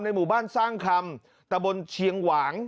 หมู่บ้านสร้างคำตะบนเชียงหวาง